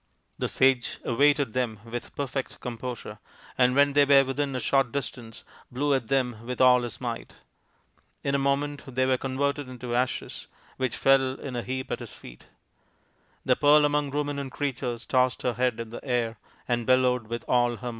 The sage awaited them with perfect composure, and when they were within a short distance blew at them with all his might. In a moment they were converted into ashes, which fell in a heap at his feet. The Pearl among Ruminant Creatures tossed her head in the air and bellowed with all her might.